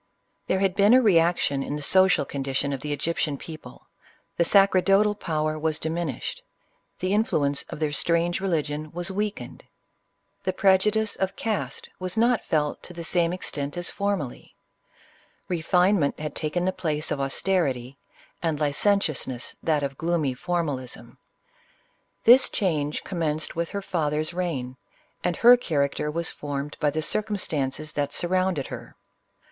There had been a reaction in the social condition of the Egyptian people — the sacerdotal power was dimin ished— the influence of their strange religion was weakened — the prejudice of caste was not' felt to the same extent as formerly — refinement had taken the place of austerity, and licentiousness that of gloomy formalism. This change commenced with her father's reign, and her character was formed by the circum stances that surrounded her.